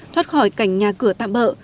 thoát khỏi cảnh nhà cửa tạm bỡ